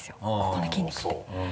ここの筋肉って。